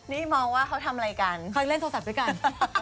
นี่มองว่าเขาทำอะไรกันเขาเล่นโทรศัพท์ด้วยกัน